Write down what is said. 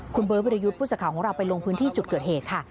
คุณเบิร์ตวิรยุทธ์ผู้สื่อข่าวของเราไปลงพื้นที่จุดเกิดเหตุค่ะ